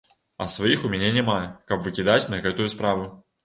А сваіх у мяне няма, каб выкідаць на гэтую справу.